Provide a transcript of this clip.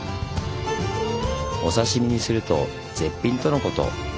お刺身にすると絶品とのこと。